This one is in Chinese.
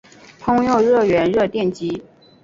通用热源热电机。